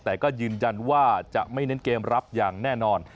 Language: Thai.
แต่ก็ยืนยันว่าจะไม่เน้นเกมรับอย่างแน่นอน